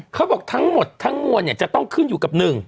เขาบอกทั้งหมดทั้งมวลเนี่ยจะต้องขึ้นอยู่กับ๑